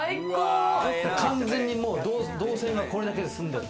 完全に動線がこれだけで済んでる。